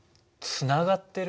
つながってる？